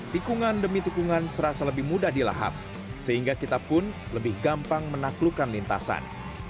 tikungan demi tikungan serasa lebih mudah dilahap sehingga kita pun lebih gampang menaklukkan lintasan